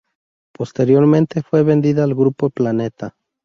Posteriormente fue vendida al Grupo Planeta.